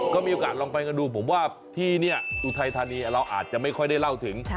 ก็มีโอกาสลองไปกันดูผมว่าที่นี่อุทัยธานีเราอาจจะไม่ค่อยได้เล่าถึง